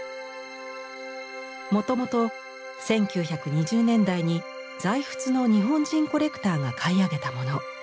もともと１９２０年代に在仏の日本人コレクターが買い上げたもの。